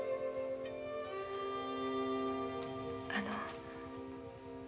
あの。